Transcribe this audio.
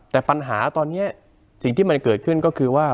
แต่ปัญหาตอนนี้สิ่งที่มันเกิดขึ้นก็คือว่า